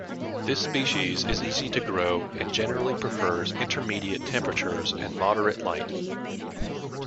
This species is easy to grow and generally prefers intermediate temperatures and moderate light.